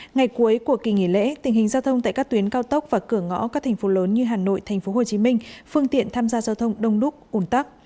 ngày cuối của kỳ nghỉ lễ tình hình giao thông tại các tuyến cao tốc và cửa ngõ các thành phố lớn như hà nội tp hcm phương tiện tham gia giao thông đông đúc ổn tắc